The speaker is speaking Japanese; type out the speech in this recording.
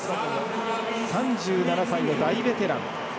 ３７歳の大ベテラン。